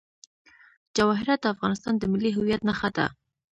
جواهرات د افغانستان د ملي هویت نښه ده.